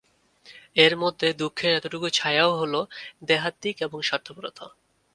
এর মধ্যে দুঃখের এতটুকু ছায়াও হল দেহাত্মিকতা এবং স্বার্থপরতা।